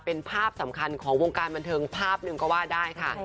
เป็นภาพสำคัญของวงการบันเทิงภาพหนึ่งก็ว่าได้ค่ะ